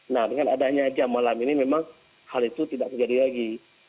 nah dengan adanya jam malam ini memang hal itu tidak terjadi lagi